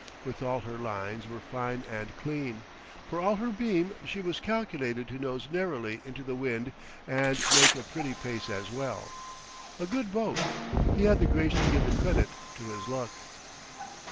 Withal her lines were fine and clean; for all her beam she was calculated to nose narrowly into the wind and make a pretty pace as well. A good boat: he had the grace to give the credit to his luck.